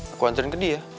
aku anturin ke dia